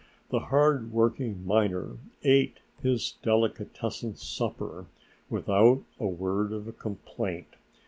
The hard working miner ate his delicatessen supper without a word of complaint.